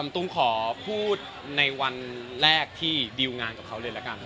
อ๋อตูลขอพูดในวันแรกที่ดิวงานด้วยกับเขากัน